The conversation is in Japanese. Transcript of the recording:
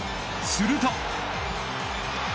すると。